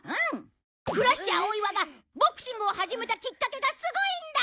クラッシャー大岩がボクシングを始めたきっかけがすごいんだ！